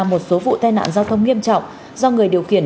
một số vụ tai nạn giao thông nghiêm trọng do người điều khiển